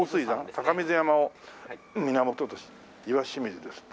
「高水山を源とし岩清水です」